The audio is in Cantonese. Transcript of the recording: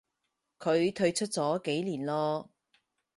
佢退出咗幾年咯